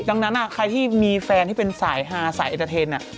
ดังนั้นอ่ะใครที่มีแฟนสายไอเตอร์เทนเนี่ย